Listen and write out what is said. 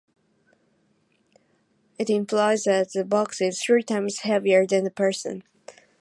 It implies that the box is three times heavier than the person.